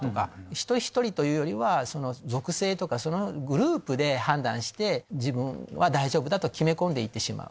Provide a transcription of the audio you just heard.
人ひとりというよりは属性とかグループで判断して自分は大丈夫だと決め込んで行ってしまう。